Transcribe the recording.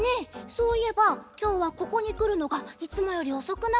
そういえばきょうはここにくるのがいつもよりおそくなかった？